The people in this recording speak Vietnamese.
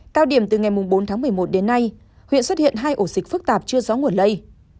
cao điểm từ ngày bốn tháng một mươi một đến nay huyện xuất hiện hai ổ dịch phức tạp chưa rõ nguồn lây